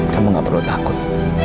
kamu gak perlu takut